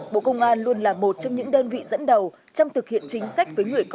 bộ công an luôn là một trong những đơn vị dẫn đầu trong thực hiện chính sách với người có